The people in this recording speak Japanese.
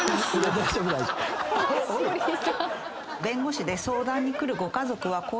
弁護士で相談に来るご家族は。